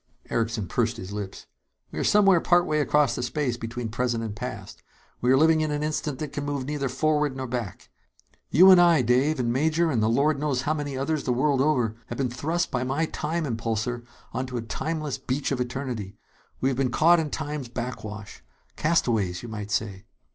Erickson pursed his lips. "We are somewhere partway across the space between present and past. We are living in an instant that can move neither forward nor back. You and I, Dave, and Major and the Lord knows how many others the world over have been thrust by my time impulsor onto a timeless beach of eternity. We have been caught in time's backwash. Castaways, you might say."